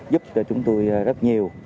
giúp cho chúng tôi rất nhiều